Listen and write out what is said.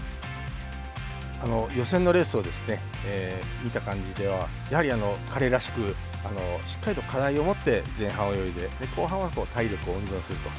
予選のレースを見た感じではやはり彼らしくしっかりと課題を持って前半泳いで後半は体力を温存すると。